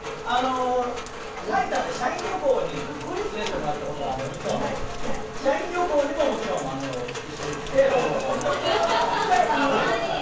タイタンで社員旅行に連れてってもらったことがあるんですけど社員旅行にももちろん一緒に行って。